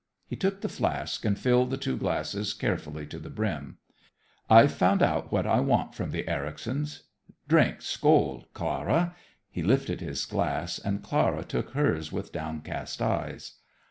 He took the flask and filled the two glasses carefully to the brim. "I've found out what I want from the Ericsons. Drink skoal, Clara." He lifted his glass, and Clara took hers with downcast eyes.